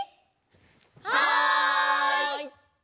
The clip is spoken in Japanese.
はい！